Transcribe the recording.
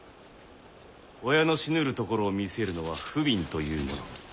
親の死ぬるところを見せるのは不憫というもの。